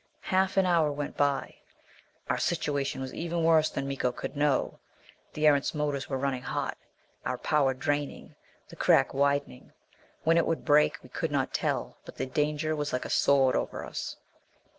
Half an hour went by. Our situation was even worse than Miko could know. The Erentz motors were running hot our power draining, the crack widening. When it would break, we could not tell; but the danger was like a sword over us.